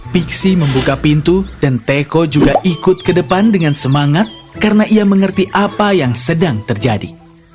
pixie membuka pintu dan teko juga ikut ke depan dengan semangat karena ia mengerti apa yang sedang terjadi